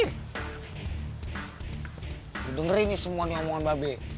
lo dengerin nih semua nyomongan be